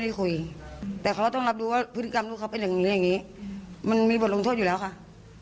ใช่แล้วก็ไปพบตำรวจนะฮะฟังเสียงแม่นิดหนึ่งนะครับ